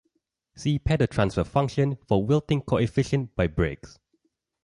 See pedotransfer function for wilting coefficient by Briggs.